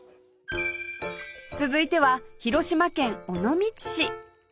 続いては広島県尾道市